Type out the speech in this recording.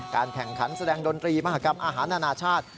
แข่งขันแสดงดนตรีมหากรรมอาหารนานาชาติ